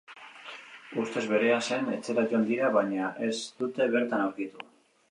Ustez berea zen etxera joan dira baina ez dute bertan aurkitu.